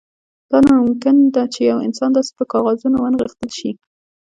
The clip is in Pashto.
دا ناممکن ده چې یو انسان داسې په کاغذونو ونغښتل شي